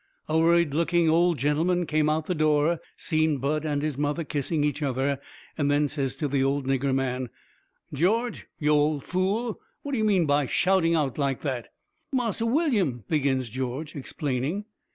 A worried looking old gentleman come out the door, seen Bud and his mother kissing each other, and then says to the old nigger man: "George, yo' old fool, what do yo' mean by shouting out like that?" "Marse Willyum " begins George, explaining.